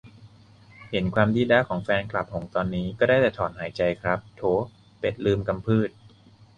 เห็นความดี๊ด๊าของแฟนหงส์ตอนนี้ ก็ได้แต่ถอนหายใจครับ "โถ เป็ดลืมกำพืด"